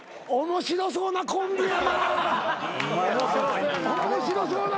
面白そうなコンビやなぁ。